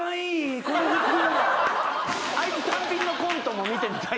あいつ単品のコントも見てみたい。